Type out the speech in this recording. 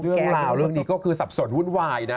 เรื่องราวเรื่องนี้ก็คือสับสนวุ่นวายนะ